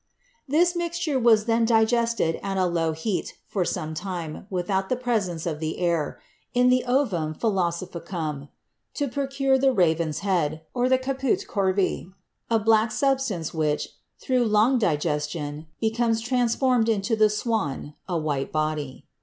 This mixture was then digested at a low heat for some time without the presence of the air, in the "ovum philosophicum," to pro cure the "raven's head," or "caput corvi," a black substance which, through long digestion, became transformed into the "swan," a white body.